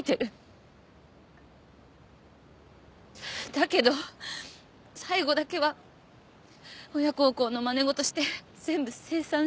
だけど最後だけは親孝行のまね事して全部清算しようと思った。